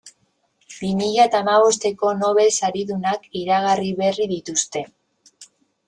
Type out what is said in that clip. Bi mila eta hamabosteko Nobel saridunak iragarri berri dituzte.